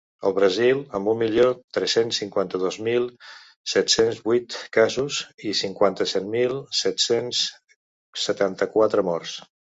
El Brasil, amb un milió tres-cents cinquanta-dos mil set-cents vuit casos i cinquanta-set mil set-cents setanta-quatre morts.